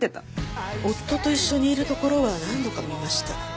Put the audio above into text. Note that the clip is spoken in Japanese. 夫と一緒にいるところは何度か見ました。